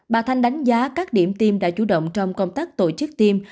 bà thanh đánh giá các điểm tiêm đã chủ động trong công tác tổ chức tiêm